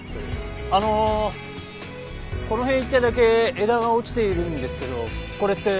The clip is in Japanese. あのこの辺一帯だけ枝が落ちているんですけどこれって？